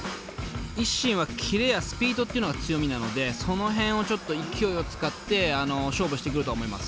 ＩＳＳＩＮはキレやスピードっていうのが強みなのでその辺をちょっと勢いを使って勝負してくるとは思います。